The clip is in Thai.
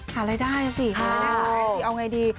ถ่ายอะไรได้สิเอาไงดี